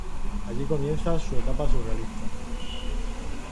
Allí comienza su etapa surrealista.